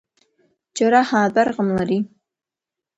Џьара ҳаатәар ҟамлари?!